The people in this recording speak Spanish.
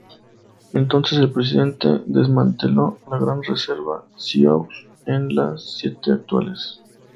Entonces el presidente desmanteló la Gran Reserva Sioux en las siete actuales.